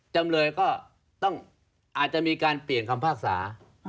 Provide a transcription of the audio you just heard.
จำเลยก็ต้องอาจจะมีการเปลี่ยนคำภาษา